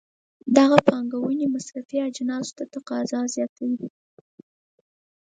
دغه پانګونې مصرفي اجناسو ته تقاضا زیاتوي.